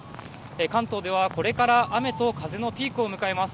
関東ではこれから雨と風のピークを迎えます。